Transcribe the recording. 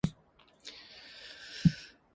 Its administrative center is the city of Penza.